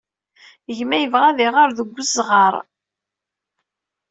Gma yebɣa ad iɣer deg wezɣer.